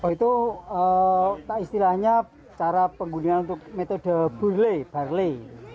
itu istilahnya cara penggunakan untuk metode burlai barley